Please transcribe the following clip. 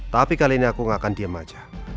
tapi kali ini aku gak akan diem aja